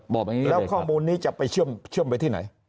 แล้วข้อมูลนี้จะเชื่อมไปที่ไหน